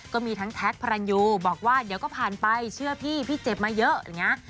ก็มีทั้งแท็กพระรันยูบอกว่าเดี๋ยวก็ผ่านไปเชื่อพี่พี่เจ็บมาเยอะอย่างนี้